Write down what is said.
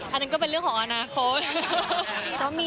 อันนั้นก็เป็นเรื่องของอนาคต